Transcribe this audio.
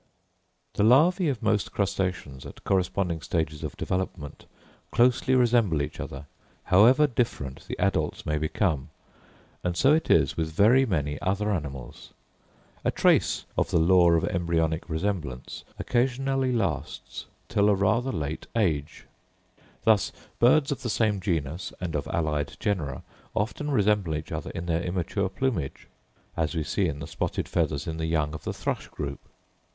The larvæ of most crustaceans, at corresponding stages of development, closely resemble each other, however different the adults may become; and so it is with very many other animals. A trace of the law of embryonic resemblance occasionally lasts till a rather late age: thus birds of the same genus, and of allied genera, often resemble each other in their immature plumage; as we see in the spotted feathers in the young of the thrush group.